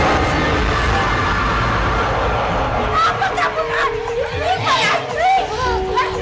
astrid astrid tanggung jawab